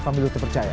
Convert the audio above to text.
pambil untuk percaya